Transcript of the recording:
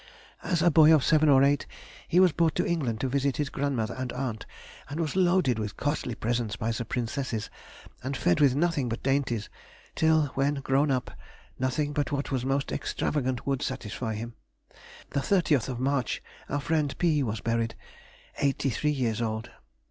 As a boy of seven or eight, he was brought to England to visit his grandmother and aunt, and was loaded with costly presents by the Princesses, and fed with nothing but dainties, till, when grown up, nothing but what was most extravagant would satisfy him. The 30th of March our friend P—— was buried, eighty three years old.